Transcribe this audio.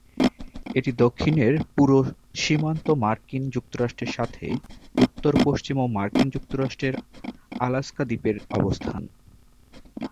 এটি দক্ষিণের পুরো সীমান্ত মার্কিন যুক্তরাষ্ট্রের সাথে, উত্তর-পশ্চিমেও মার্কিন যুক্তরাষ্ট্রের আলাস্কা দ্বীপের অবস্থান।